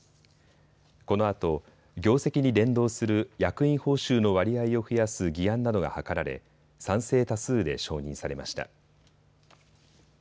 このあと業績に連動する役員報酬の割合を増やす議案などが諮られ賛成多数で承認されました。